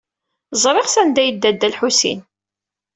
Ẓriɣ sanda ay yedda Dda Lḥusin.